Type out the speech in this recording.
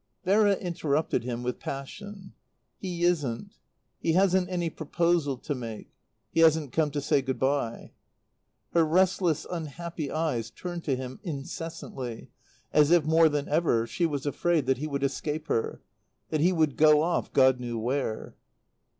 Vera interrupted him with passion. "He isn't. He hasn't any proposal to make. He hasn't come to say good bye." Her restless, unhappy eyes turned to him incessantly, as if, more than ever, she was afraid that he would escape her, that he would go off God knew where.